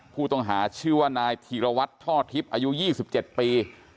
ผู้ต้องหาชื่อว่านายธีรวัตรท่อทิพย์อายุ๒๗ปี